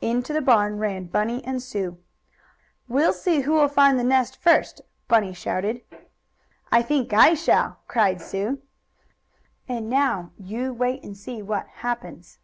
Into the barn ran Bunny and Sue. "We'll see who'll find the nest first!" Bunny shouted. "I think I shall," cried Sue. And now you wait and see what happens.